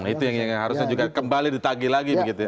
itu yang harusnya juga kembali ditagi lagi